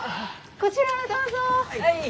こちらにどうぞ！